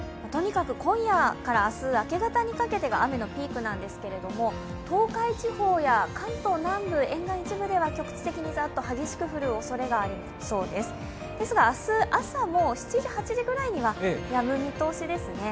今夜から明日、明け方にかけてが雨のピークなんですけれども東海地方や関東南部沿岸一部では局地的にザッと激しく降るおそれがありそうですが明日朝、７時、８時くらいにはやむ見通しですね。